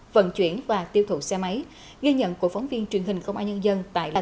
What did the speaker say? vâng chắc là chị thùy vẫn còn nhớ là